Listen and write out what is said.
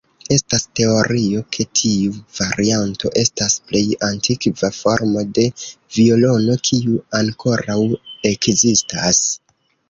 Estas teorio ke tiu varianto estas plej antikva formo de violono kiu ankoraŭ ekzistas.